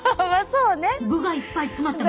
そうね。